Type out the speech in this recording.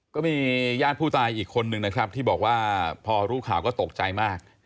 ก็มีญาติผู้ตายอีกคนนึงนะครับที่บอกว่าพอรู้ข่าวก็ตกใจมาก